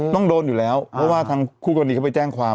ต้องโดนอยู่แล้วเพราะว่าทางคู่กรณีเขาไปแจ้งความ